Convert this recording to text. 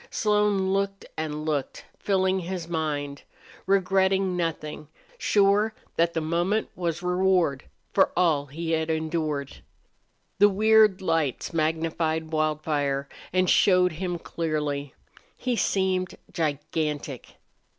Slone looked and looked, filling his mind, regretting nothing, sure that the moment was reward for all he had endured. The weird lights magnified Wildfire and showed him clearly. He seemed gigantic.